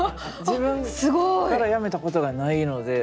自分から辞めたことがないので。